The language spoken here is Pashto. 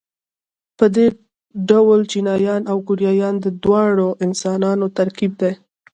په دې ډول چینایان او کوریایان د دواړو انسانانو ترکیب دي.